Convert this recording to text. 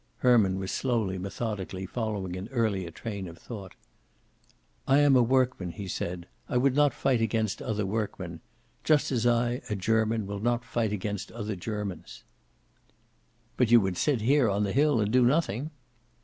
Herman was slowly, methodically, following an earlier train of thought. "I am a workman," he said. "I would not fight against other workmen. Just as I, a German, will not fight against other Germans." "But you would sit here, on the hill, and do nothing."